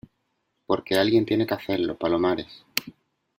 porque alguien tiene que hacerlo, Palomares.